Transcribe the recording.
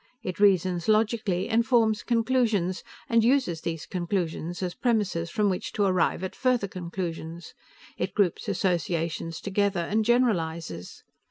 It reasons logically, and forms conclusions, and uses those conclusions as premises from which to arrive at further conclusions. It groups associations together, and generalizes.